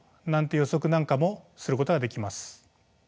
予測なんかもすることができます。